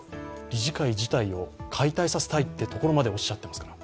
理事会自体を解体させたいというところまでおっしゃっていますから。